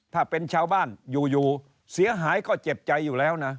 ถ้าเป็นชาวบ้านอยู่เสียหายก็เจ็บใจอยู่แล้วนะ